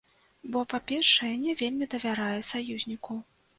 Бо, па-першае, не вельмі давярае саюзніку.